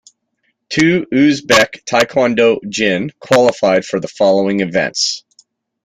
Two Uzbek taekwondo jin qualified for the following events.